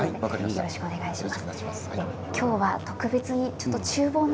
よろしくお願いします。